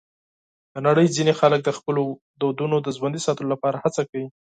د نړۍ ځینې خلک د خپلو دودونو د ژوندي ساتلو لپاره هڅه کوي.